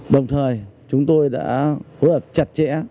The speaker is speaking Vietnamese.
đồng thời chúng tôi đã phối hợp chặt chẽ